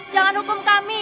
jangan hukum kami